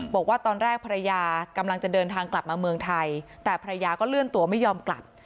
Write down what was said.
บอกว่าตอนแรกภรรยากำลังจะเดินทางกลับมาเมืองไทยแต่ภรรยาก็เลื่อนตัวไม่ยอมกลับ